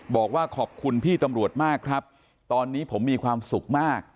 บอกว่าขอบคุณพี่ตำรวจมากครับตอนนี้ผมมีความสุขมาก